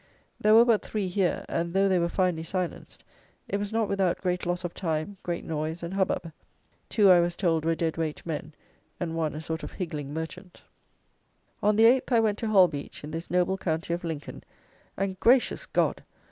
There were but three here; and though they were finally silenced, it was not without great loss of time, great noise and hubbub. Two, I was told, were dead weight men, and one a sort of higgling merchant. On the 8th I went to Holbeach, in this noble county of Lincoln; and, gracious God!